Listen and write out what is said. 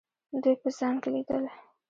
دوی په ځان کې لیدل.